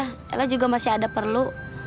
kita juga masih ada perlu